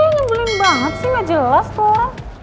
ngebulin banget sih gak jelas tuh